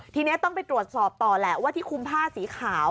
ทีนี้ต้องไปตรวจสอบต่อแหละว่าที่คุมผ้าสีขาว